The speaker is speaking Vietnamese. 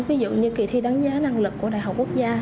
ví dụ như kỳ thi đánh giá năng lực của đại học quốc gia